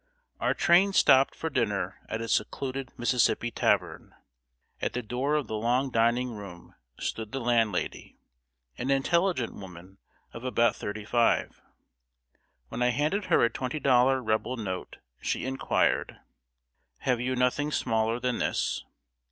] Our train stopped for dinner at a secluded Mississippi tavern. At the door of the long dining room stood the landlady, an intelligent woman of about thirty five. When I handed her a twenty dollar Rebel note, she inquired "Have you nothing smaller than this?"